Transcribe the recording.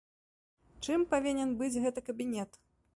Чым павінен быць гэты кабінет?